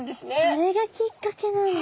それがきっかけなんだ。